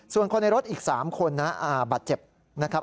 ส่วนคนในรถอีก๓คนนะบาดเจ็บนะครับ